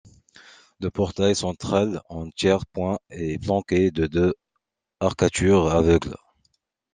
Le portail central en tiers-point est flanqué de deux arcatures aveugles.